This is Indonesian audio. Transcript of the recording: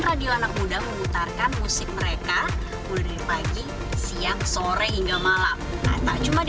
radio anak muda memutarkan musik mereka mulai dari pagi siang sore hingga malam tak cuma di